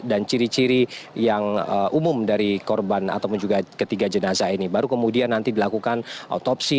dan ciri ciri yang umum dari korban ataupun juga ketiga jenazah ini baru kemudian nanti dilakukan otopsi